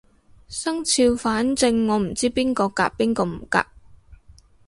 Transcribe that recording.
生肖反正我唔知邊個夾邊個唔夾